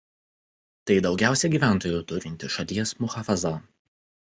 Tai daugiausia gyventojų turinti šalies muchafaza.